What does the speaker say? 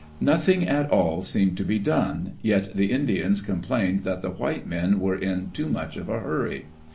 Nothing at all seemed to be done, yet the Indians com plained that the white men were in too much of a hurry.